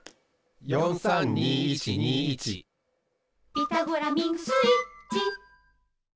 「ピタゴラミングスイッチ」